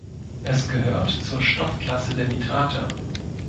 Es gehört zur Stoffklasse der Nitrate.